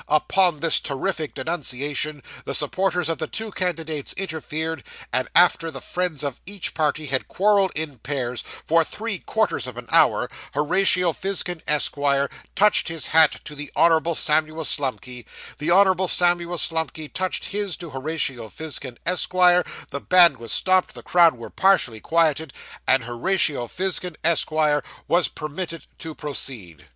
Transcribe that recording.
Upon this terrific denunciation, the supporters of the two candidates interfered, and after the friends of each party had quarrelled in pairs, for three quarters of an hour, Horatio Fizkin, Esquire, touched his hat to the Honourable Samuel Slumkey; the Honourable Samuel Slumkey touched his to Horatio Fizkin, Esquire; the band was stopped; the crowd were partially quieted; and Horatio Fizkin, Esquire, was permitted to proceed.